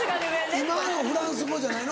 今のフランス語じゃないの？